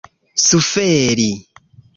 suferi